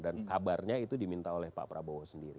dan kabarnya itu diminta oleh pak prabowo sendiri